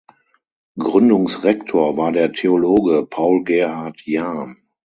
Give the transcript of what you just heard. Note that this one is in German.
Gründungsrektor war der Theologe Paul Gerhard Jahn.